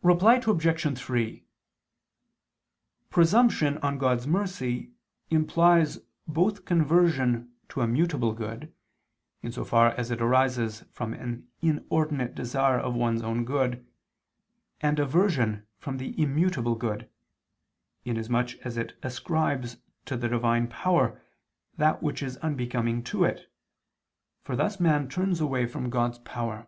Reply Obj. 3: Presumption on God's mercy implies both conversion to a mutable good, in so far as it arises from an inordinate desire of one's own good, and aversion from the immutable good, in as much as it ascribes to the Divine power that which is unbecoming to it, for thus man turns away from God's power.